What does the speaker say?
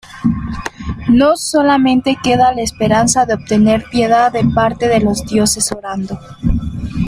Nos solamente queda la esperanza de obtener piedad de parte de los dioses orando.